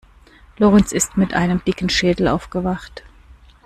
Lorenz ist mit einem dicken Schädel aufgewacht.